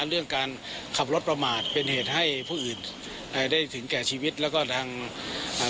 เรื่องการขับรถประมาทเป็นเหตุให้ผู้อื่นอ่าได้ถึงแก่ชีวิตแล้วก็ทางอ่า